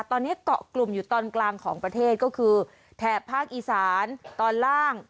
ตอนนี้เกาะกลุ่มอยู่ตอนกลางของประเทศก็คือแถบภาคอีสานตอนล่าง